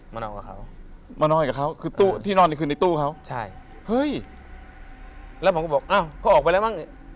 มานอนกับเขา